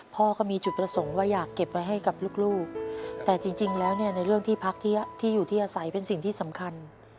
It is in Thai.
พ่อก็มีจุดประสงค์ว่าอยากเก็บไว้ให้กับลูกแต่จริงแล้วเนี่ยในเรื่องที่พักที่อยู่ที่อาศัยเป็นสิ่งที่สำคัญ